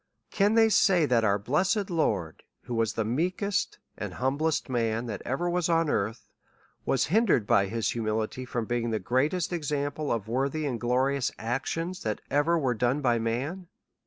Can they say that our blessed Lord, who was the meekest and humblest man that ever was on earth, was hindered by his humility from being the greatest example of worthy and glori ous actions, that ever were done by man